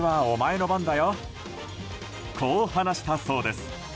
こう話したそうです。